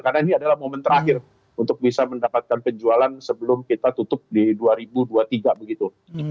karena ini adalah momen terakhir untuk bisa mendapatkan penjualan sebelum kita tutup di dua ribu dua puluh tiga begitu